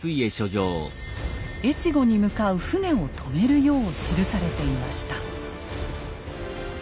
越後に向かう船を止めるよう記されていました。